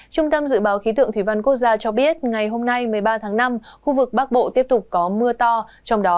trung tâm dự báo khí tượng thủy văn quốc gia cho biết ngày hôm nay một mươi ba tháng năm khu vực bắc bộ tiếp tục có mưa to trong đó